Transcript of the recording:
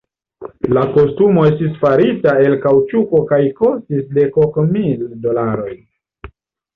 La kostumo estis farita el kaŭĉuko kaj kostis dek ok mil dolaroj.